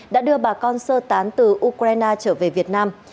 đã đưa bà con sơ tán từ ukraine trở về việt nam